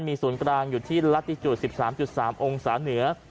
มีศูนย์กลางอยู่ที่ลัติจุด๑๓๓องศาเหนือ